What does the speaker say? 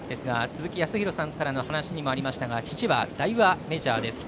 鈴木康弘さんからの話にもありましたが父はダイワメジャーです。